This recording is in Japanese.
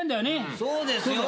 そうですよ。